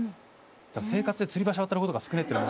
生活でつり橋渡ることが少ねえってのが。